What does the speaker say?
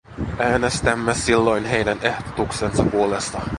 Äänestämme silloin heidän ehdotuksensa puolesta.